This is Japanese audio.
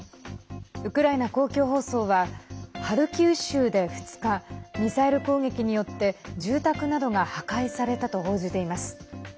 ウクライナ公共放送はハルキウ州で２日ミサイル攻撃によって住宅などが破壊されたと報じています。